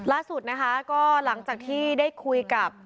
ล่าสุดนะคะก็หลังจากที่ได้คุยกับ